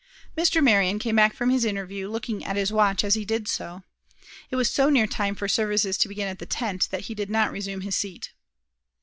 Mr. Marion came back from his interview, looking at his watch as he did so. It was so near time for services to begin at the tent, that he did not resume his seat.